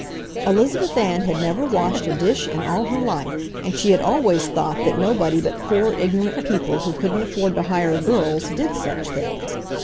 Elizabeth Ann had never washed a dish in all her life, and she had always thought that nobody but poor, ignorant people, who couldn't afford to hire girls, did such things.